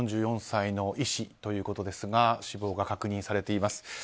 ４４歳の医師ということですが死亡が確認されています。